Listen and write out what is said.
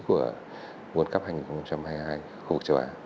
của world cup hai nghìn hai mươi hai khu vực châu á